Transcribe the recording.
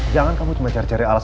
jangan kamu cuma cari cari alasan